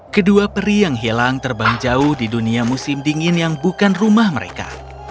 kedua peri yang hilang terbang jauh di dunia musim dingin yang bukan rumah mereka